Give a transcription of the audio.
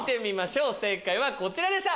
正解はこちらでした。